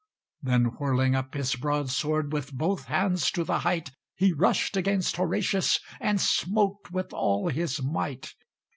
Then, whirling up his broadsword With both hands to the height, He rushed against Horatius, And smote with all his might.